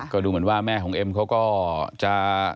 ก็ดูเหมือนว่าแม่ของเอ็มเขาก็จะ